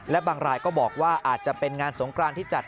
และบางรายก็บอกว่าอาจจะเป็นงานสงครานที่จัด